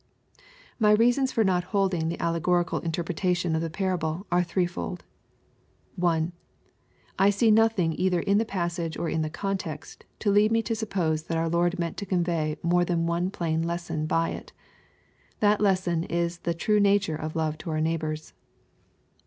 My reasons for not holding the allegorical interpretation of the parable are threefold. 1. I see nothing either in the passage, or in the context^ to lead me to suppose that our Lord meant to convey more than one plain lesson by it That lesson is the true nature of love to our neigh bors.